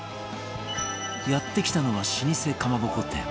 やって来たのは老舗かまぼこ店